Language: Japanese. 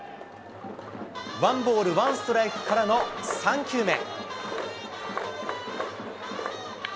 ワンボールワンストライクからの３球目。